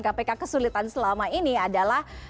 kpk kesulitan selama ini adalah